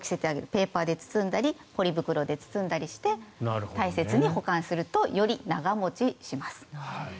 ペーパーで包んだりポリ袋で包んだりして大切に保管するとより長持ちします。